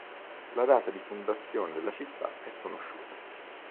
La data di fondazione della città è sconosciuta.